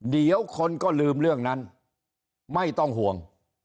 เดี๋ยวคนก็ลืมเรื่องนั้นไม่ต้องห่วง